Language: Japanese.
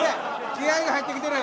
気合いが入ってきてる。